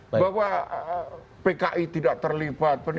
bahwa pki tidak terlipat